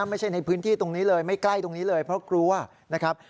ไม่ใช่ในพื้นที่ตรงนี้เลยไม่ใกล้ตรงนี้เลยเพราะกลัวนะครับ